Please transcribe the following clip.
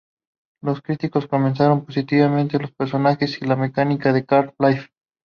Los críticos comentaron positivamente los personajes y la mecánica de "Cart Life".